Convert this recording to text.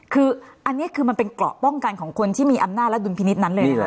คืออันนี้คือมันเป็นเกราะป้องกันของคนที่มีอำนาจและดุลพินิษฐ์นั้นเลยนะคะ